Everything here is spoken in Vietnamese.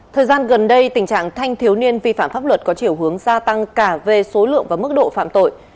thời gian gần đây tình trạng thanh thiếu niên vi phạm pháp luật có chiều hướng gia tăng cả về số lượng và mức độ phạm tội